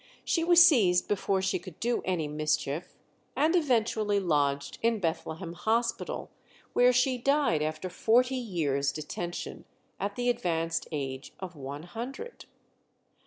She was seized before she could do any mischief, and eventually lodged in Bethlehem Hospital, where she died after forty years' detention, at the advanced age of one hundred.